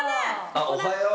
あっおはよう。